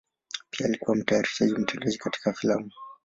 Pia alikuwa mtayarishaji mtendaji katika filamu.